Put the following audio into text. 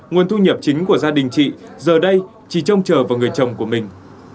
nguồn thu nhập chính của gia đình chị giờ đây chỉ trông chờ vào người chồng của mình